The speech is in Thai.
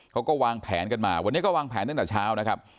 เขาก็วางแผนกันมาวันนี้ก็วางแผนตั้งแต่เช้านะครับ